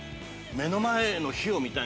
◆目の前の火が見たい。